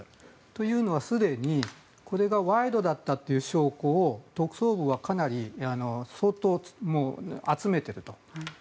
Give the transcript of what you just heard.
というのは、すでにこれが賄賂だったという証拠を特捜部は相当集めていると。